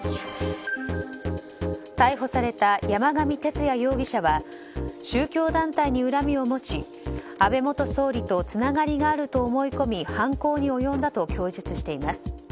逮捕された山上徹也容疑者は宗教団体に恨みを持ち安倍元総理とつながりがあると思い込み犯行に及んだと供述しています。